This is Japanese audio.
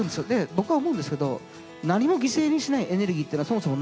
僕は思うんですけど何も犠牲にしないエネルギーっていうのはそもそもないんです。